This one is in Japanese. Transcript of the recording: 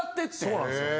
そうなんですよ。